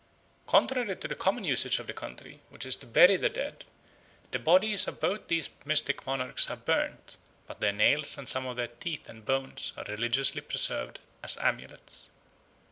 Contrary to the common usage of the country, which is to bury the dead, the bodies of both these mystic monarchs are burnt, but their nails and some of their teeth and bones are religiously preserved as amulets.